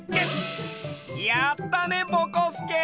やったねぼこすけ！